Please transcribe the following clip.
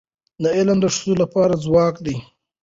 علم د ښځو لپاره ځواک دی.